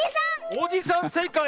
おじさんせいかい！